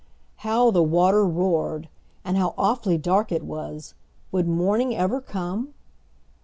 How the water roared! And how awfully dark it was! Would morning ever come?